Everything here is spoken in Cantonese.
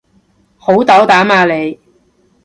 好斗膽啊你